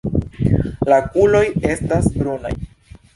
La okuloj estas brunaj.